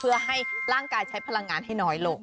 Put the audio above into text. เพื่อให้ร่างกายใช้พลังงานให้น้อยลง